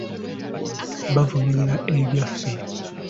Bavumirira ebyaffe.